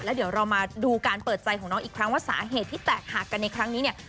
เดี๋ยวเรามาดูการเปิดใจของน้องอีกครั้งว่าสาเหตุที่แตกหักกันในครั้งนี้เนี่ย